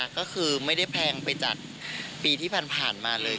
ก็คือไม่ได้แพงไปจากปีที่ผ่านมาเลย